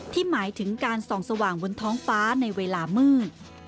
หมายถึงการส่องสว่างบนท้องฟ้าในเวลามืด